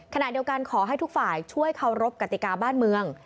ขณะเดียวกันขอให้ทุกฝ่ายช่วยเคารพกติกาบ้านเมือง